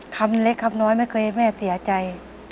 คำเล็กคำน้อยไม่เคยแม่เสียใจ